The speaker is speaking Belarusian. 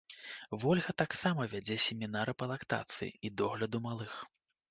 Вольга таксама вядзе семінары па лактацыі і догляду малых.